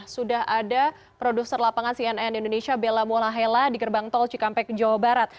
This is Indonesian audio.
sudah ada produser lapangan cnn indonesia bella mulahela di gerbang tol cikampek jawa barat